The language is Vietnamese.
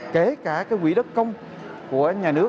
kể cả quỹ đất công của nhà nước